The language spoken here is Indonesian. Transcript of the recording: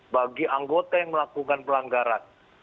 bagi anggota yang melakukan pelanggaran